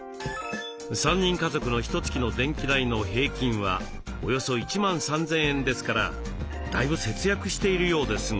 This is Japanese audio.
３人家族のひとつきの電気代の平均はおよそ１万３，０００円ですからだいぶ節約しているようですが。